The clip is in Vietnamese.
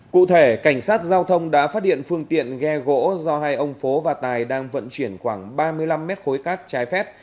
cụ thể cảnh sát giao thông đã phát hiện phương tiện ghe gỗ do hai ông phố và tài đang vận chuyển khoảng ba mươi năm mét khối cát trái phép